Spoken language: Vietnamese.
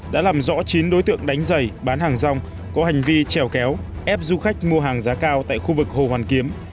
đã làm rõ chín đối tượng đánh giày bán hàng rong có hành vi trèo kéo ép du khách mua hàng giá cao tại khu vực hồ hoàn kiếm